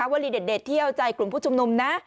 วันดีเที่ยวใจกลุ่มผู้ชมนุมนะ